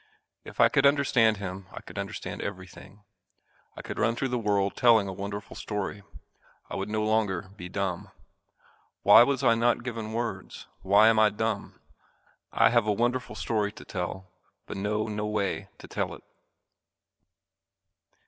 If I could understand him I could understand everything. I could run through the world telling a wonderful story. I would no longer be dumb. Why was I not given words? Why am I dumb? I have a wonderful story to tell but know no way to tell it.